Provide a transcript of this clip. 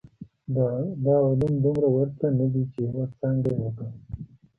دا علوم دومره ورته نه دي چي يوه څانګه يې وګڼو.